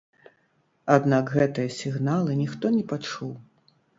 Аднак гэтыя сігналы ніхто не пачуў.